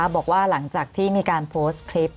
บอกว่าหลังจากที่มีการโพสต์คลิป